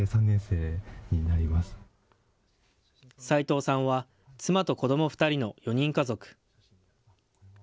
齊藤さんは妻と子ども２人の４人家族。